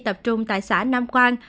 tập trung tại xã nam quang